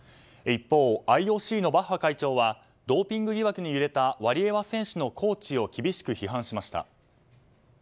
一方、ＩＯＣのバッハ会長はドーピング疑惑に揺れたワリエワ選手のコーチを厳しく批判しました。